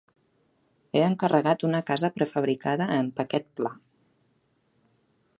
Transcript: He encarregat una casa pre-fabricada en paquet pla.